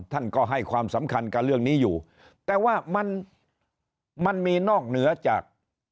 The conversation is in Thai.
ท่านก็ให้ความสำคัญกับเรื่องนี้อยู่แต่ว่ามันมันมีนอกเหนือจาก